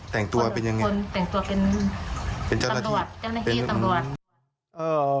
แต่งตัวเป็นยังไงแต่งตัวเป็นเจ้าหน้าที่เป็นเจ้าหน้าที่ตำรวจ